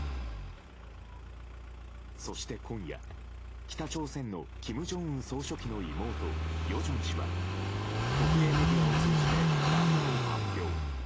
そして今夜、北朝鮮の金正恩総書記の妹・与正氏は国営メディアを通じて談話を発表。